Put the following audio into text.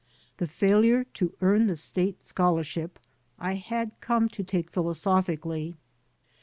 The failure to earn the State scholarship I had come to take philo sophically.